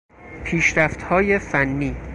پیشرفتهای فنی